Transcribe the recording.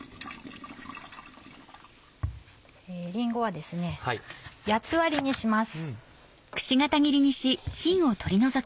りんごはですね八つ割りにします。